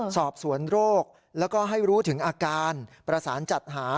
สอบสวนโรคแล้วก็ให้รู้ถึงอาการประสานจัดหา